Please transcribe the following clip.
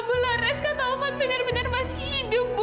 mula raz kak taufan benar benar masih hidup bu